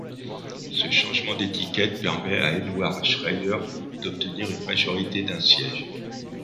Ce changement d'étiquette permet à Edward Schreyer d'obtenir une majorité d'un siège.